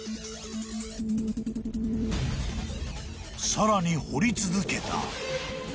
［さらに掘り続けた］